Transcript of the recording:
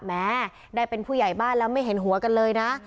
แม้ได้เป็นผู้ใหญ่บ้านแล้วไม่เห็นหัวกันเลยนะ